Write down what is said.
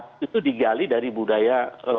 itu digali dari budaya